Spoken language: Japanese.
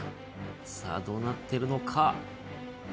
さぁどうなってるのか？